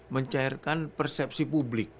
mencairkan persepsi publik